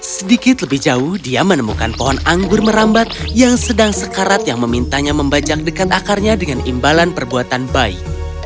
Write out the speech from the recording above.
sedikit lebih jauh dia menemukan pohon anggur merambat yang sedang sekarat yang memintanya membajak dekat akarnya dengan imbalan perbuatan baik